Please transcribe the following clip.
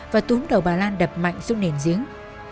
và túm đầu bà lan đập mạnh xuống nền giếng